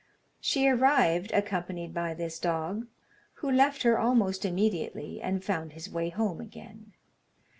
She arrived, accompanied by this dog, who left her almost immediately, and found his way home again.